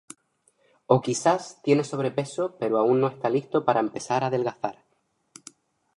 O quizás tiene sobrepeso pero aún no está listo para empezar a adelgazar